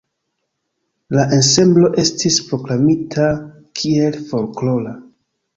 La ensemblo estis proklamita kiel folklora.